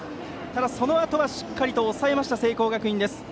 ただそのあとはしっかりと抑えました聖光学院。